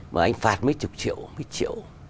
mà anh phạt mấy chục triệu mấy triệu